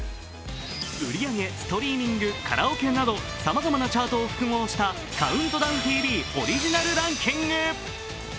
売上、ストリーミングカラオケなどさまざまなチャートを複合した「ＣＯＵＮＴＤＯＷＮＴＶオリジナルランキング」